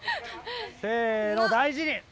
せの大事に。